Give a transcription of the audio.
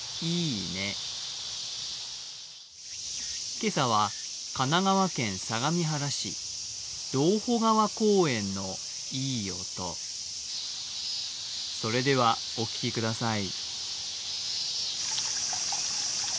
今朝は神奈川県相模原市道保川公園のいい音それではお聴きください。